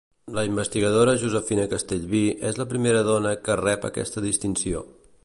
La investigadora Josefina Castellví és la primera dona que rep aquesta distinció.